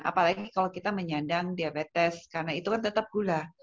apalagi kalau kita menyandang diabetes karena itu kan tetap gula